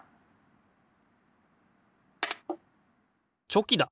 チョキだ！